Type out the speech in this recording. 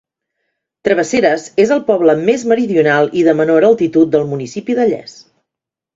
Travesseres és el poble més meridional i de menor altitud del municipi de Lles.